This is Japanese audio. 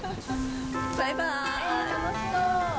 バイバイ。